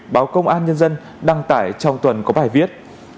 báo công an nhân dân đăng tải trong tuần có bài viết